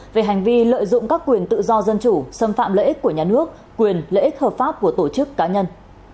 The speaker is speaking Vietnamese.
về hành vi lợi dụng các quyền tự do dân chủ xâm phạm lợi ích của nhà nước quyền lợi ích hợp pháp của tổ chức cá nhân